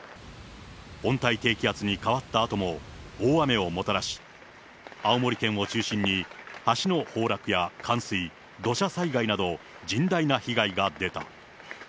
温帯低気圧に変わったあとも大雨をもたらし、青森県を中心に、橋の崩落や冠水、土砂災害など、甚大な被害が出た。